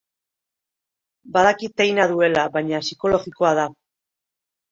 Badakit teina duela, baina psikologikoa da.